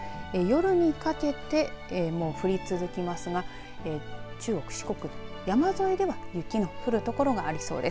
夜にかけても降り続きますが中国、四国山沿いでは雪の降る所がありそうです。